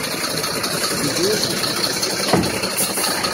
Yeǧǧa-yasent-ten-id.